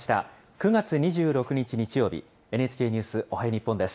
９月２６日日曜日、ＮＨＫニュースおはよう日本です。